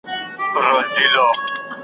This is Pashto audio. ونې د ځمکې ښکلا زیاتوي.